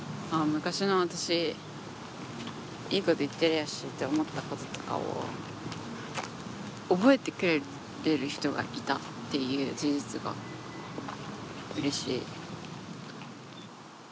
昔の私いいこと言ってるやしって思ったこととかを覚えてくれてる人がいたっていう事実がうれしい。